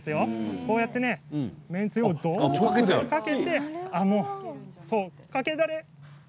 こうやって麺つゆをどどっとかけてかけだれ